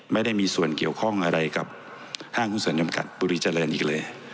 ไม่ได้มีส่วนเกี่ยวข้องอะไรกับห้างหุ้นส่วนจำกัดบุรีเจริญอีกเลย